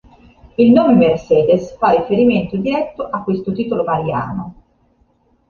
Il nome Mercedes fa riferimento diretto a questo titolo mariano.